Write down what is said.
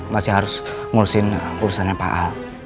masih harus ngurusin urusannya pak a